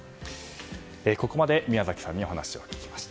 ここまで宮崎さんにお話を聞きました。